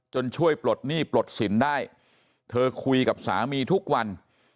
ช่วยปลดหนี้ปลดสินได้เธอคุยกับสามีทุกวัน